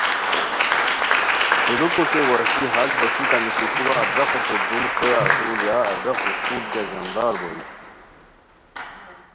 دولوک او چے وشلی ہݰ جوݰیتانی کی کورہ ادراخو پردوم ݰویہ اسور یا ادراخو خور کیہ ژاندار بوئے